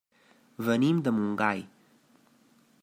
Venim de Montgai.